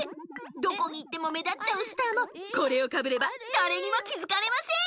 どこにいってもめだっちゃうスターもこれをかぶればだれにもきづかれません。